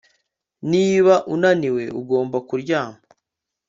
Niba unaniwe ugomba kuryama